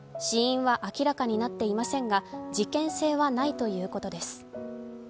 死因は明らかになっていませんが、事件性はないということです。